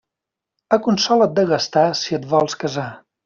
Aconsola't de gastar, si et vols casar.